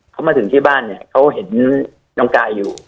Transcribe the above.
เขามาถึงที่บ้านเนี่ยเขาเห็นน้องกายอยู่